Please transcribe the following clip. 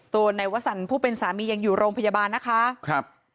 ตัวในวัฒนผู้เป็นสามียังอยู่โรงพยาบาลนะคะ